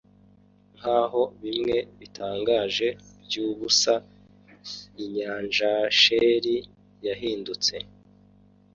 Nkaho bimwe bitangaje byubusa inyanjashell yahindutse